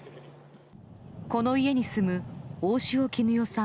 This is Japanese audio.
この家に住む、大塩衣与さん